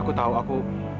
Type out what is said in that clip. aku tau aku